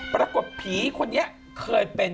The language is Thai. ปรากฏผีคนนี้เคยเป็น